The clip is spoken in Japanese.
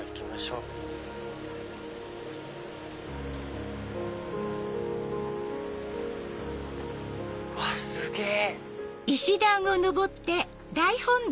うわっすげぇ！